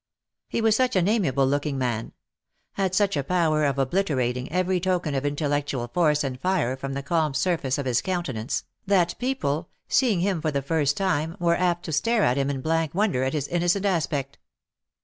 He was such an amiable looking man — had such a power of obliterating every token of intellectual force and fire from the calm surface of his countenance, that people, seeing him for the first time, were apt to stare at him in blank wonder at his innocent aspect.